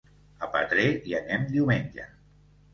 A Petrer hi anem diumenge.